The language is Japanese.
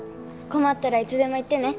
困ったらいつでも言ってね。